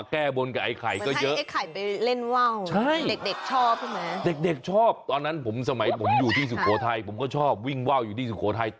เพราะตอนนั้นสมัยผมอยู่ที่สุโขทัยผมก็ชอบวิ่งว่าวอยู่ที่สุโขทัย